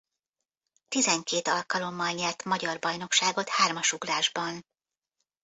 Tizenkét alkalommal nyert magyar bajnokságot hármasugrásban.